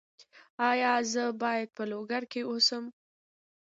ایا زه باید په لوګر کې اوسم؟